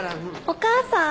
お母さん。